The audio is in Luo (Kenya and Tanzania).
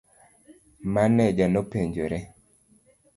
Maneja nopenjore.